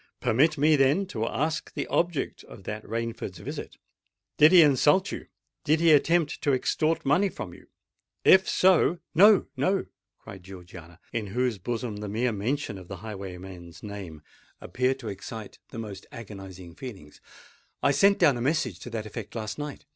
"Permit me, then, to ask the object of that Rainford's visit? Did he insult you? did he attempt to extort money from you? If so——" "No—no!" cried Georgiana, in whose bosom the mere mention of the highwayman's name appeared to excite the most agonising feelings. "I sent down a message to that effect last night.